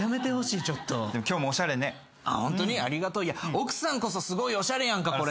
奥さんこそすごいおしゃれやんかこれ。